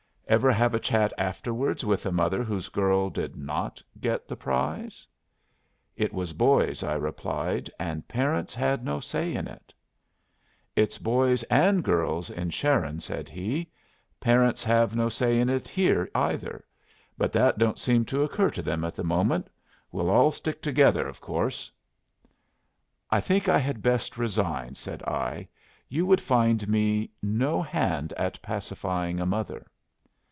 "Ever have a chat afterwards with a mother whose girl did not get the prize?" "It was boys," I replied. "And parents had no say in it." "It's boys and girls in Sharon," said he. "Parents have no say in it here, either. But that don't seem to occur to them at the moment. We'll all stick together, of course." "I think I had best resign." said I. "You would find me no hand at pacifying a mother."